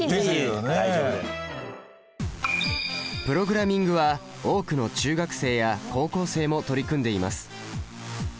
プログラミングは多くの中学生や高校生も取り組んでいます。